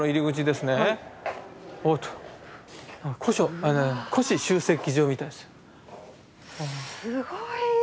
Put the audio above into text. すごい！